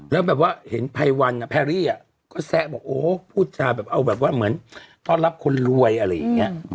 แล้วแบบว่าเห็นไพวันแพรรี่ก็แซะบอกโอ้พูดจาแบบเอาแบบว่าเหมือนต้อนรับคนรวยอะไรอย่างนี้